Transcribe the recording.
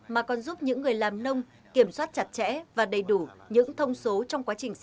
mà còn giúp những người làm nông kiểm soát chặt chẽ và đầy đủ những thông số